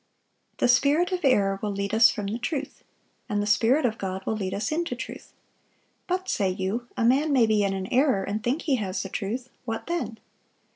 (646) "The spirit of error will lead us from the truth; and the Spirit of God will lead us into truth. But, say you, a man may be in an error, and think he has the truth. What then?